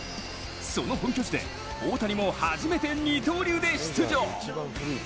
その本拠地で、大谷も初めて二刀流で出場。